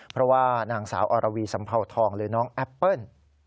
เพราะว่านางสาวอรวีสัมเภาทองหรือน้องแอปเปิ้ล